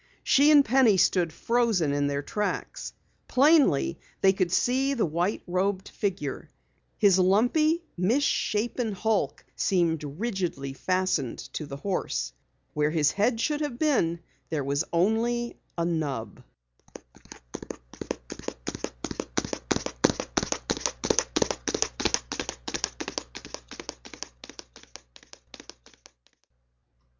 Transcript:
She and Penny stood frozen in their tracks. Plainly they could see the white robed figure. His lumpy, misshapen hulk, seemed rigidly fastened to the horse. Where his head should have been there was only a stub.